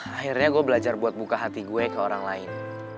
akhirnya gue belajar buat buka hati gue ke orang lain